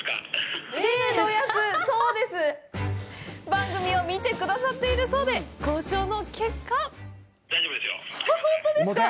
番組を見てくださっているそうで交渉の結果本当ですか？